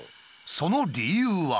その理由は。